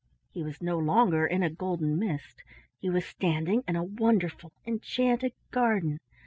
He was no longer in a golden mist. He was standing in a wonderful enchanted garden.